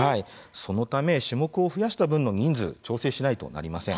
そのため種目を増やした分の人数は調整しないとなりません。